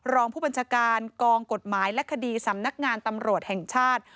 รองผู้บัญชาการกองกฎหมายและคดีสำนักงานตำรวจแห่งชาติ